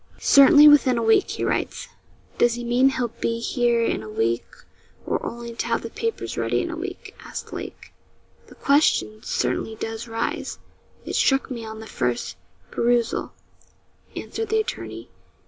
'"Certainly within a week," he writes. Does he mean he'll be here in a week or only to have the papers ready in a week?' asked Lake. 'The question, certainly, does arise. It struck me on the first perusal,' answered the attorney.